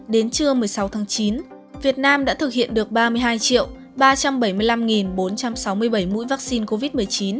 đến trưa một mươi sáu tháng chín việt nam đã thực hiện được ba mươi hai ba trăm bảy mươi năm bốn trăm sáu mươi bảy mũi vaccine covid một mươi chín